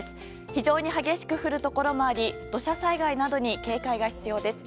非常に激しく降るところもあり土砂災害などに警戒が必要です。